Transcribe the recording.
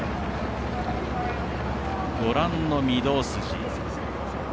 ご覧の御堂筋。